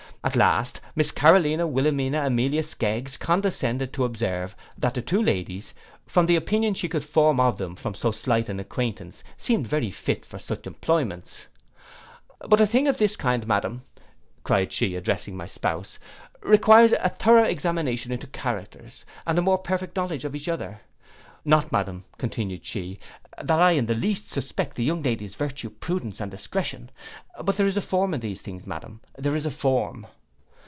At last, Miss Carolina Wilelmina Amelia Skeggs condescended to observe, that the young ladies, from the opinion she could form of them from so slight an acquaintance, seemed very fit for such employments: 'But a thing of this kind, Madam,' cried she, addressing my spouse, requires a thorough examination into characters, and a more perfect knowledge of each other. Not, Madam,' continued she, 'that I in the least suspect the young ladies virtue, prudence and discretion; but there is a form in these things, Madam, there is a form.